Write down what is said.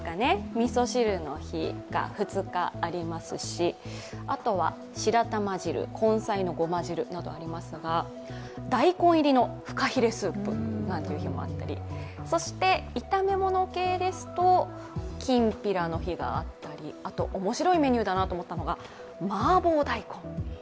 みそ汁の日が２日ありますしあとは白玉汁、根菜のごま汁などもありますが大根入りのふかひれスープなんて日もあったりそして炒め物系ですと、きんぴらの日があったり面白いメニューだなと思ったのはマーボー大根。